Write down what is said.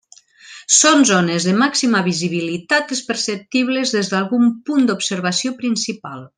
Són zones de màxima visibilitat les perceptibles des d'algun punt d'observació principal.